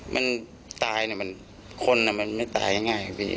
มันตายคนมันไม่ตายง่ายครับพี่